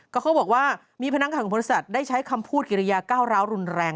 ก็เขาบอกว่ามีพนักงานของบริษัทได้ใช้คำพูดกิริยาก้าวร้าวรุนแรง